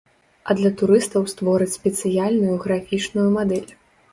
А для турыстаў створаць спецыяльную графічную мадэль.